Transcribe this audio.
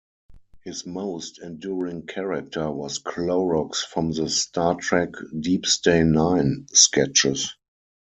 His most enduring character was Clorox from the "Star Trek: Deep Stain Nine" sketches.